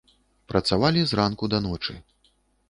Працавалі з ранку да ночы.